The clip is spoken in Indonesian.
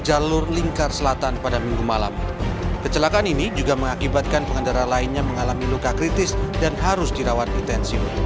jangan jangan jangan